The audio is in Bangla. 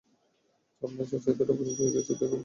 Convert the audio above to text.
আপনার চাচার এতোটাই পছন্দ হয়ে গেছে তো এখন আমরা কী করবো?